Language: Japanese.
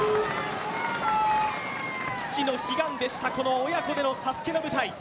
父の悲願でした、この親子でのＳＡＳＵＫＥの舞台。